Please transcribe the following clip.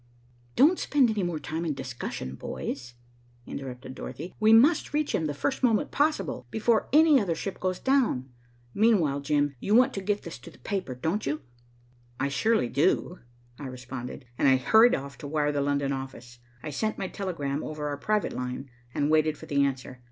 "Don't spend any more time in discussion, boys," interrupted Dorothy. "We must reach him the first moment possible, before any other ship goes down. Meanwhile, Jim, you want to get this to the paper, don't you?" "I surely do," I responded, and I hurried off to wire the London office. I sent my telegram over our private line, and waited for the answer.